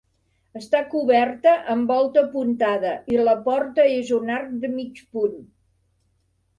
Està coberta amb volta apuntada i la porta és un arc de mig punt.